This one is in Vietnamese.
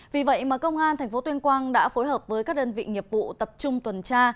vì vậy mà công an tp tuyên quang đã phối hợp với các đơn vị nghiệp vụ tập trung tuần tra